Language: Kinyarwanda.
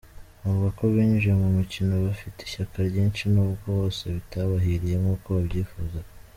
Avuga ko binjiye mu mukino bafite ishyaka ryinshi nubwo bwose bitabahiriye nk’uko babyifuzaga.